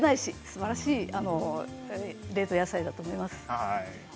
すばらしい冷凍野菜だと思います。